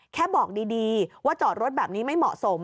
แค่บอกดีว่าจอดรถแบบนี้ไม่เหมาะสม